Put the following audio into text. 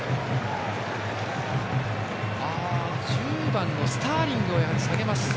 １０番のスターリングを下げます。